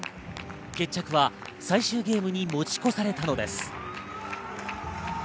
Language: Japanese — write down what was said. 決着は最終ゲームに持ち越されたのです。